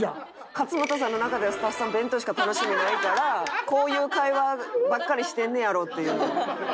勝俣さんの中ではスタッフさん弁当しか楽しみないからこういう会話ばっかりしてんねやろっていう。